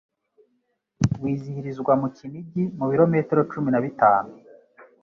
wizihirizwa mu Kinigi mu birometero cumi na bitanu